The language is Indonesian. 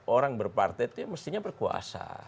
orang berpartai itu ya mestinya berkuasa